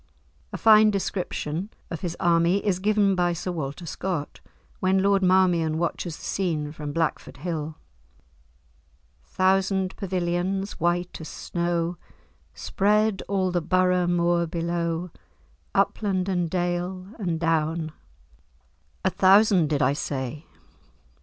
A fine description of his army is given by Sir Walter Scott, when Lord Marmion watches the scene from Blackford Hill. "Thousand pavilions, white as snow, Spread all the Borough moor below, Upland, and dale, and down:— A thousand, did I say?